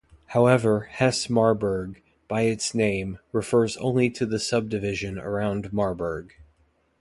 However, Hesse-Marburg, by its name, refers only to the subdivision around Marburg.